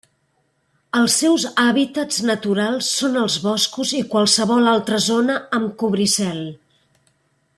Els seus hàbitats naturals són els boscos i qualsevol altra zona amb cobricel.